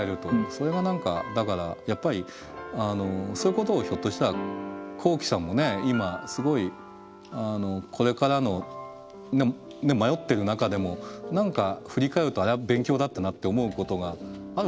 それはだからやっぱりそういうことをひょっとしたらこうきさんもね今すごいこれからの迷ってる中でも何か振り返るとあれは勉強だったなって思うことがあるかもしんないねきっとね。